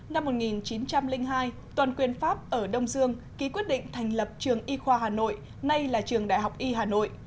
năm một nghìn chín trăm linh hai toàn quyền pháp ở đông dương ký quyết định thành lập trường y khoa hà nội nay là trường đại học y hà nội